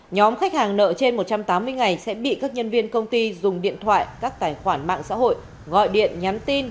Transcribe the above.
nhóm khách hàng nợ trên một trăm tám mươi ngày sẽ bị các nhân viên công ty dùng điện thoại các tài khoản mạng xã hội gọi điện nhắn tin